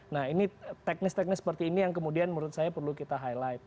nah ini teknis teknis seperti ini yang kemudian menurut saya perlu kita highlight